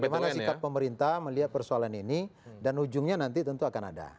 bagaimana sikap pemerintah melihat persoalan ini dan ujungnya nanti tentu akan ada